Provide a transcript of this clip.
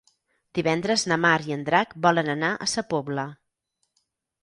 Divendres na Mar i en Drac volen anar a Sa Pobla.